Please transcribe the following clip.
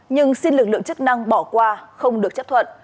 nhưng xin lực lượng chức năng bỏ qua không được chấp thuận